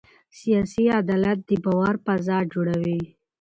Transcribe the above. سیاسي عدالت د باور فضا جوړوي